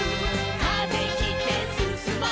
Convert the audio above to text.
「風切ってすすもう」